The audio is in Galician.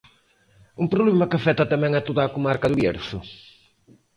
Un problema que afecta tamén a toda a comarca do Bierzo.